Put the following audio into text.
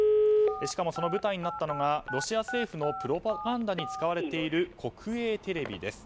しかもその舞台になったのがロシア政府のプロパガンダに使われている国営テレビです。